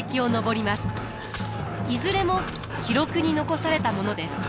いずれも記録に残されたものです。